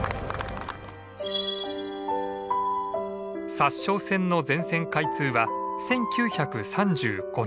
札沼線の全線開通は１９３５年。